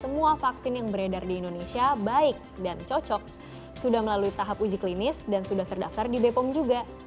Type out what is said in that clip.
semua vaksin yang beredar di indonesia baik dan cocok sudah melalui tahap uji klinis dan sudah terdaftar di bepom juga